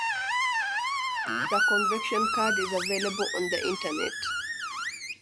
The convention card is available on internet.